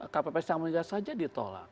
kpps yang meninggal saja ditolak